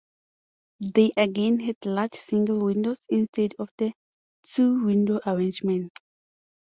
They again had large single windows instead of the two-window arrangement.